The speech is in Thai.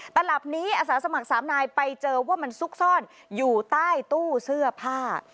ตลับนี้อาสาสมัครสามนายไปเจอว่ามันซุกซ่อนอยู่ใต้ตู้เสื้อผ้า